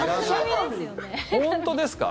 本当ですか？